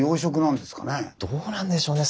どうなんでしょうね